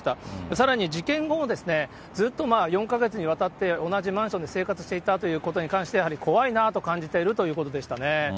さらに、事件後も、ずっと４か月にわたって同じマンションで生活していたということに関して、やはり怖いなと感じているということでしたね。